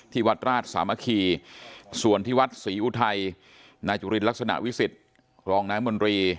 วัดราชสามัคคีส่วนที่วัดศรีอุทัยนายจุลินลักษณะวิสิทธิ์รองนายมนตรี